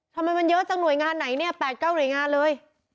ทำไมมันเยอะจังหน่วยงานไหนเนี่ย๘๙หน่วยงานเลย